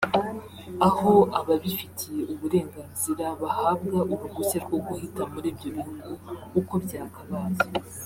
aho ababifitiye uburenganzira bahabwa uruhushya rwo guhita muri ibyo bihugu uko byakabaye